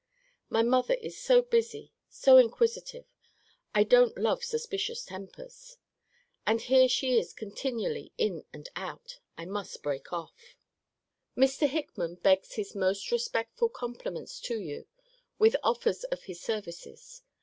My mother is so busy, so inquisitive I don't love suspicious tempers. And here she is continually in and out I must break off. Mr. Hickman begs his most respectful compliments to you, with offer of his services.